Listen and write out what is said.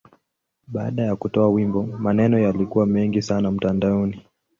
Baada ya kutoa wimbo, maneno yalikuwa mengi sana mtandaoni.